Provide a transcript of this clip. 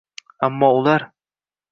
Ammo ular